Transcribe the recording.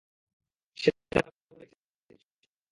সে তার তাবু রেখে গেছে, সে নিশ্চয়ই রাতে ঘুমাতে আসবে।